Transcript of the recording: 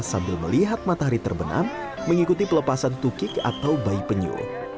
sambil melihat matahari terbenam mengikuti pelepasan tukik atau bayi penyu